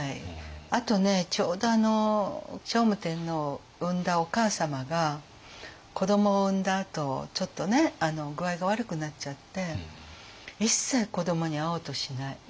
あとねちょうど聖武天皇を産んだお母様が子どもを産んだあとちょっと具合が悪くなっちゃって一切子どもに会おうとしない。